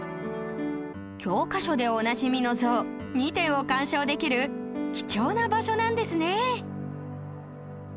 教科書でおなじみの像２点を鑑賞できる貴重な場所なんですね